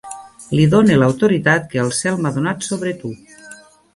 Li done l'autoritat que el cel m'ha donat sobre tu.